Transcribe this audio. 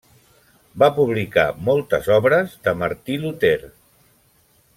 Va publicar moltes obres de Martí Luter.